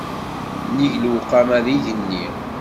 Nnig lewqama d igenni.